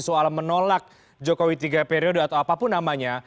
soal menolak jokowi tiga periode atau apapun namanya